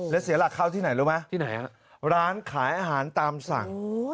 และเสียหลักเข้าที่ไหนรู้ไหมร้านขายอาหารตามสั่ง